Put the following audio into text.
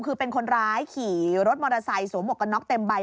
คือเป็นคนร้ายขี่รถมอเตอร์ไซค์สวมหวกกันน็อกเต็มใบ